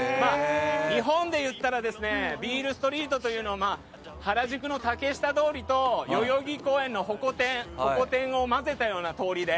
日本でいったらビールストリートというのは原宿の竹下通りと代々木通りのホコ天を混ぜたような通りで。